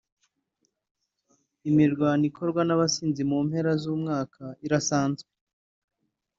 Imirwano ikorwa n’abasinzi mu mpera z’umwaka irasanzwe